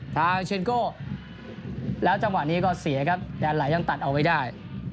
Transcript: ทางเชนโก้แล้วจังหวะนี้ก็เสียครับแดนไหลยังตัดเอาไว้ได้